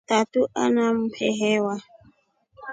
Tatu aa mwehewa.